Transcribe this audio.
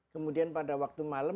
kemudian pada waktu malam